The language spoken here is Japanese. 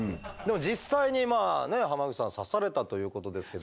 実際にまあね濱口さん刺されたということですけど。